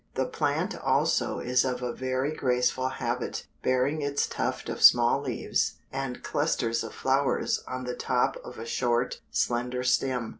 The plant also is of a very graceful habit, bearing its tuft of small leaves, and clusters of flowers on the top of a short, slender stem.